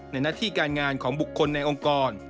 หน้าที่การงานของบุคคลในองค์กร